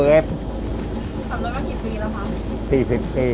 ทำเร็วก็ผิดปีแล้วครับปีผิดปี